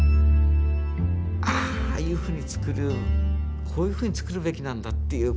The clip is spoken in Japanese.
ああいうふうに作るこういうふうに作るべきなんだっていう。